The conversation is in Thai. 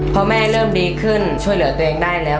พอแม่เริ่มดีขึ้นช่วยเหลือตัวเองได้แล้ว